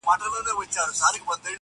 o چي نن سپک سي، سبا ورک سي٫